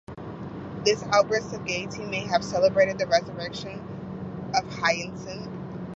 This outburst of gaiety may have celebrated the resurrection of Hyacinth.